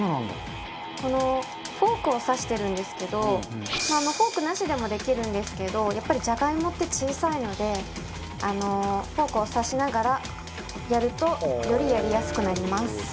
このフォークを刺してるんですけどフォークなしでもできるんですけどやっぱりジャガイモって小さいのでフォークを刺しながらやるとよりやりやすくなります。